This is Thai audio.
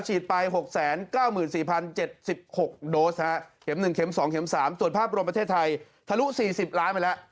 ฉีดไป๖๙๔๐๗๖โดซส่วนภาพรวมประเทศไทยทะลุ๔๐ล้านไปแล้ว